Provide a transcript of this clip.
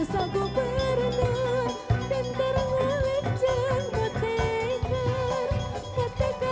semoga kembali sukan teman anda